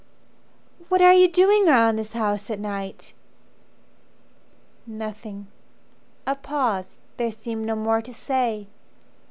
"What are you doing round this house at night?" "Nothing." A pause: there seemed no more to say.